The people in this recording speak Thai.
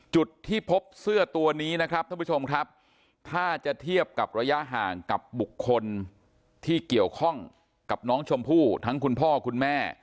จุดที่พบเสื้อตัวนี้นะครับท่านผู้ชมครับถ้าจะเทียบกับระยะห่างกับบุคคลที่เกี่ยวข้องกับน้องชมพู่ทั้งคุณพ่อคุณแม่